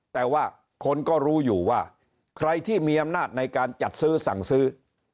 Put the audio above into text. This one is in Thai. แต่ว่าคนก็รู้อยู่ว่าใครที่มีอำนาจในการจัดซื้อสั่งซื้อ